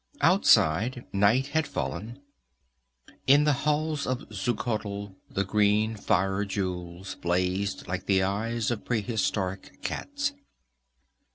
Outside, night had fallen. In the halls of Xuchotl the green fire jewels blazed like the eyes of prehistoric cats.